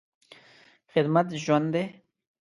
خدمت ژوند دی.